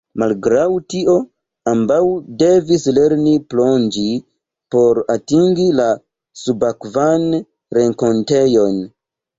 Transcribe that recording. Malgraŭ tio, ambaŭ devis lerni plonĝi por atingi la subakvan renkontejon.